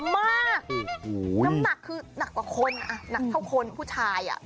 น้ำหนักคือนักกว่าคนนักเท่าคนผู้ชายอ่ะ